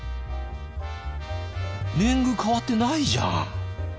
年貢変わってないじゃん！